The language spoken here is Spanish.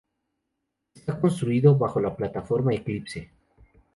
Está construido bajo la plataforma Eclipse.